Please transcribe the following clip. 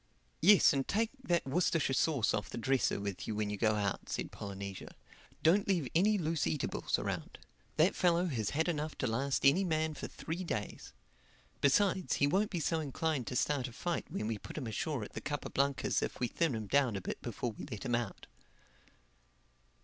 "Yes and take that Worcestershire sauce off the dresser with you when you go out," said Polynesia. "Don't leave any loose eatables around. That fellow has had enough to last any man for three days. Besides, he won't be so inclined to start a fight when we put him ashore at the Capa Blancas if we thin him down a bit before we let him out."